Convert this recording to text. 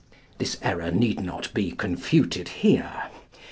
This error need not be confuted here.